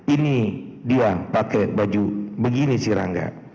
ini dia pakai baju begini si rangga